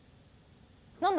何だ？